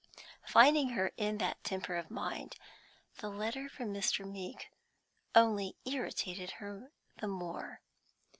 Finding her in that temper of mind, the letter from Mr. Meeke only irritated her the more.